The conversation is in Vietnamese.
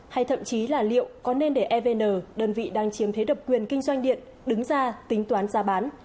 hay thậm chí là liệu có nên để evn đơn vị đang chiếm thế độc quyền kinh doanh điện đứng ra tính toán giá bán